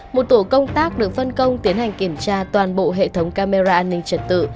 một tổ công tác được phân công tiến hành kiểm tra toàn bộ hệ thống camera an ninh trật tự